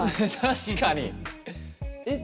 確かに。